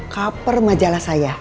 kaper majalah saya